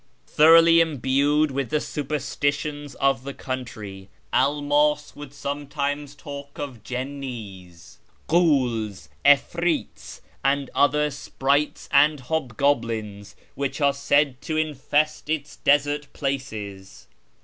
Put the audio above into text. Thoroughly imbued with the superstitions of the country, Elmas would sometimes talk of Jinnis, Ghuls, 'Ifri'ts, and other sprites and hobgoblins which are said to infest its desert places.